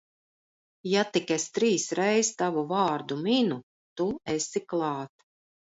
Ja tik es trīs reiz tavu vārdu minu, tu esi klāt.